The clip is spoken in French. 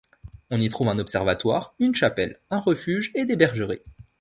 On y trouve un observatoire, une chapelle, un refuge et des bergeries.